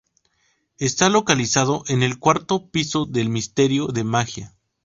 Está localizado en el cuarto piso del Ministerio de Magia.